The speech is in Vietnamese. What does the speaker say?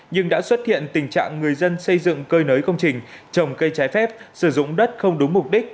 nhưng đã xuất hiện tình trạng người dân xây dựng cơi nới công trình trồng cây trái phép sử dụng đất không đúng mục đích